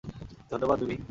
ধন্যবাদ, মিমি।